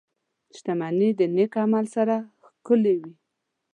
• شتمني د نېک عمل سره ښکلې وي.